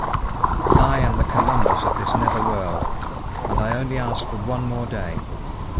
I am the Columbus of this nether world, and I only ask for one more day.